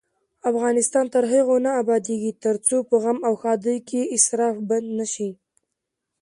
افغانستان تر هغو نه ابادیږي، ترڅو په غم او ښادۍ کې اسراف بند نشي.